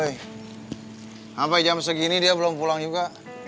sampai jam segini dia belum pulang juga